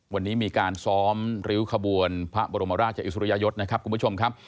วันนี้มีการซ้อมริ้วขบวนพระบรมราชอิสริยยศนะครับคุณผู้ชมครับ